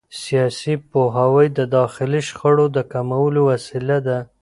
سیاسي پوهاوی د داخلي شخړو د کمولو وسیله ده